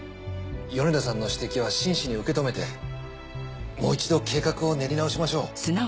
米田さんの指摘は真摯に受け止めてもう一度計画を練り直しましょう。